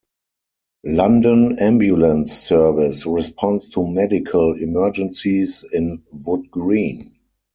London Ambulance Service responds to medical emergencies in Wood Green.